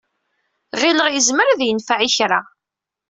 Ɣileɣ yezmer ad yenfeɛ i kra.